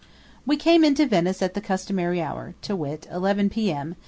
We came into Venice at the customary hour to wit, eleven P.M.